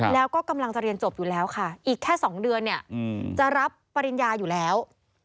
แล้วก็กำลังจะเรียนจบอยู่แล้วค่ะอีกแค่๒เดือนเนี่ยจะรับปริญญาอยู่แล้ว